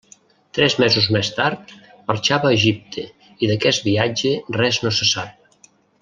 Tres mesos més tard marxava a Egipte, i d'aquest viatge res no se sap.